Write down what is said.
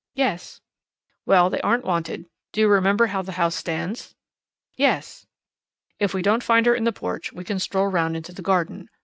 "Yes." "Well, they aren't wanted. Do you remember how the house stands?" "Yes." "If we don't find her in the porch, we can stroll round into the garden.